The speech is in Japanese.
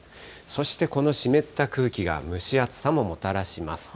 そして、この湿った空気が蒸し暑さももたらします。